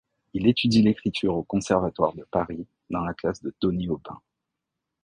Il étudie l'écriture au Conservatoire de Paris dans la classe de Tony Aubin.